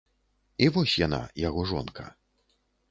І вось яна яго жонка.